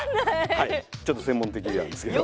はいちょっと専門的なんですけど。